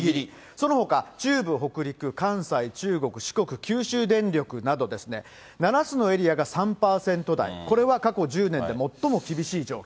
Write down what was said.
そのほか中部、北陸、関西、中国、四国、九州電力など、７つのエリアが３％台、これは過去１０年で最も厳しい状況。